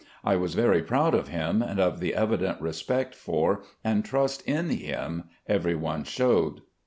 I was very proud of him and of the evident respect for and trust in him every one showed.